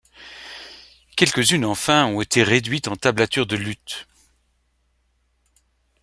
Quelques-unes enfin ont été réduites en tablature de luth.